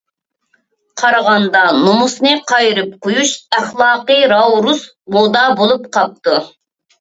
قارىغاندا، نومۇسنى قايرىپ قويۇش ئەخلاقى راۋۇرۇس مودا بولۇپ قاپتۇ.